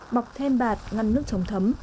bọc thêm bạt ngăn nước chống thấm